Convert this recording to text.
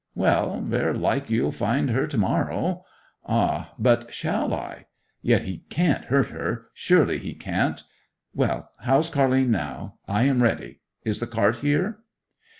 'Well, ver' like you'll find her to morrow.' 'Ah—but shall I? Yet he can't hurt her—surely he can't! Well—how's Car'line now? I am ready. Is the cart here?